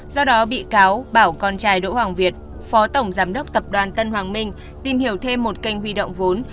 do đó bị cáo bảo con trai đỗ hoàng việt phó tổng giám đốc tập đoàn tân hoàng minh tìm hiểu thêm một kênh huy động vốn